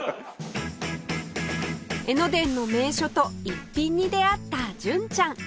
江ノ電の名所と逸品に出会った純ちゃん